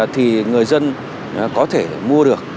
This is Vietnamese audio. thì người dân có thể mua được